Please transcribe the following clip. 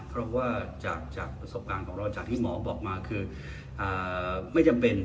เพราะว่าจากประสบการณ์ของเราจากที่หมอบอกมาคือไม่จำเป็น